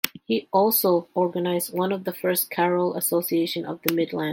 He also organized one of the first Choral Associations of the Midlands.